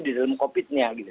di dalam covid nya